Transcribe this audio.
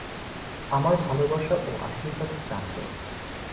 আমার ভালবাসা ও আশীর্বাদ জানবে।